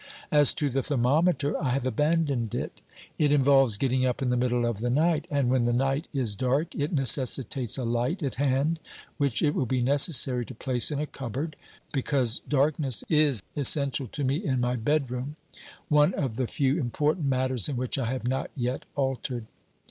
As to the thermometer, I have abandoned it ; it involves getting uj) in the middle of the night, and when the night is dark it necessitates a light at hand, which it will be necessary to place in a cupboard, because dark ness in essential to me in my bedroom — one of the few 332 OBERMANN important matters in which I have not yet altered.